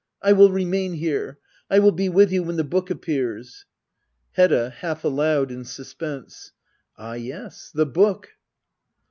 I will remain here I I will be with you when the book appears. Hedda. [Half akud, in suspense.'] Ah yes — the book